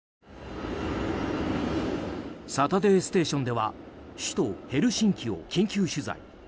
「サタデーステーション」では首都ヘルシンキを緊急取材。